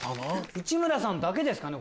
内村さんだけですかね